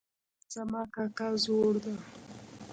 زما کاکا زوړ ده